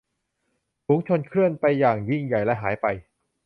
ฝูงชนเคลื่อนไปอย่างยิ่งใหญ่และหายไป